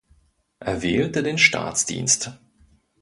Er wählte den Staatsdienst.